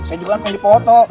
saya juga kan pengen dipoto